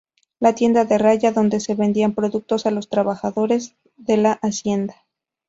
La tienda de raya donde se vendía productos a los trabajadores de la hacienda.